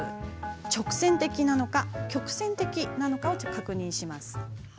直線的なのか曲線的なのかを確認します。